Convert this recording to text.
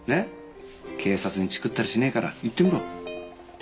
警察にチクったりしねえから言ってみろ。